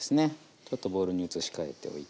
ちょっとボウルに移し替えておいて。